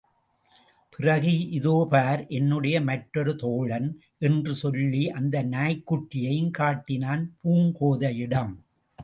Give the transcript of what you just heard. பிறகு இதோபார் என்னுடைய மற்றொரு தோழன், என்று சொல்லி அந்த நாய்க்குட்டியைக் காட்டினான் பூங்கோதையிடம்.